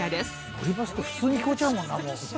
「乗りバス」って普通に聞こえちゃうもんなもう。